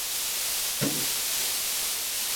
তার সব সময় মনে হয়েছে, এটা অদৃশ্য শক্তিরই ফল।